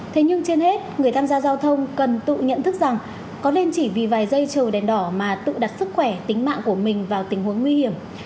thế nhưng trên hết người tham gia giao thông cần tự nhận thức rằng có nên chỉ vì vài giây chờ đèn đỏ mà tự đặt sức khỏe tính mạng của mình vào tình huống nguy hiểm